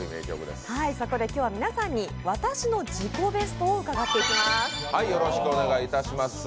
そこで今日は皆さんに私の自己ベストを伺っていきます。